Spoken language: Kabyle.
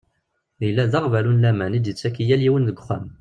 Yella d aɣbalu n laman i d-yettak i yal yiwen deg uxxam.